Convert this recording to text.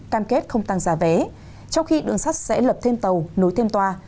đảm kết không tăng giả vé trong khi đường sắt sẽ lập thêm tàu nối thêm toa